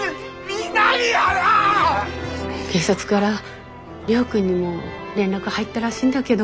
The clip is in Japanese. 警察から亮君にも連絡入ったらしいんだけど。